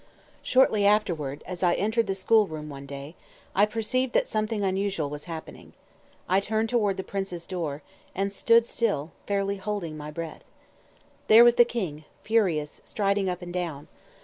Shortly afterward, as I entered the school room one day, I perceived that something unusual was happening. I turned toward the princes' door, and stood still, fairly holding my breath. There was the king, furious, striding up and down.